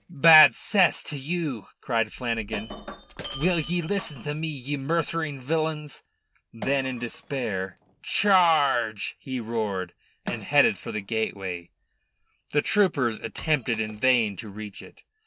"Bad cess to you!" cried Flanagan. "Will ye listen to me, ye murthering villains." Then in despair "Char r r ge!" he roared, and headed for the gateway. The troopers attempted in vain to reach it.